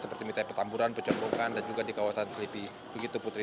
seperti misalnya pertamburan percampuran dan juga di kawasan sleepy begitu putri